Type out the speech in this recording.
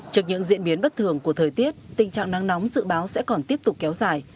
trước những diễn biến bất thường của thời tiết tình trạng nắng nóng dự báo sẽ còn tiếp tục kéo dài